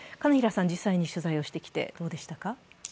実際に取材をしてきてどうでしたか？